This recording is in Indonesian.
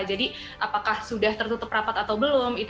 jadi apakah sudah tertutup rapat atau belum